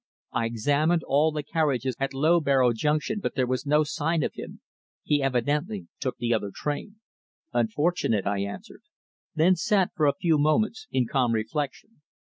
"I examined all the carriages at Loughborough Junction, but there was no sign of him. He evidently took the other train." "Unfortunate," I answered, then sat for a few moments in calm reflection.